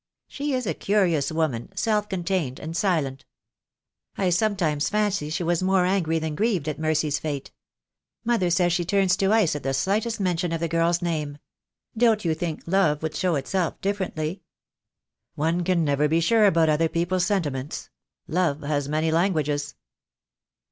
She is a curious woman — self contained, and silent. I sometimes fancy she was more angry than grieved at Mercy's fate. Mother says she turns to ice at the slightest mention of the girl's name. Don't you think love would show itself differently?" "One can never be sure about other people's senti ments. Love has many languages."